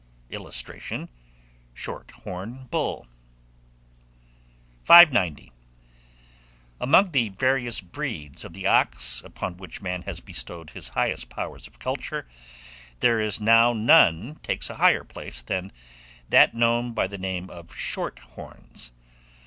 ] [Illustration: SHORT HORN BULL.] 590. AMONG THE VARIOUS BREEDS OF THE OX, upon which man has bestowed his highest powers of culture, there is now none takes a higher place than that known by the name of Short Horns.